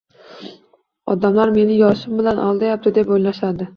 Odamlar meni yoshim bilan aldayapti deb o’ylashadi.